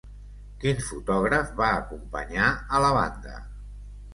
Quin fotògraf va acompanyar a la banda?